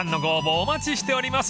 お待ちしております］